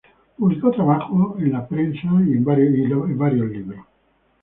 Publicó trabajos en la prensa y varios libros.